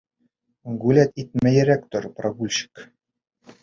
Гуляйт итмәйерәк тор, прогульщик!